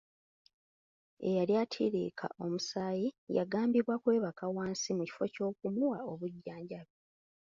Eyali attiirika omusaayi yagambibwa kwebaka wansi mu kifo ky'okumuwa obujjanjabi.